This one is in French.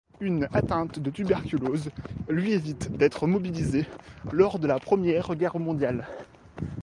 Une atteinte de tuberculose lui évite d’être mobilisé lors de la Première Guerre mondiale.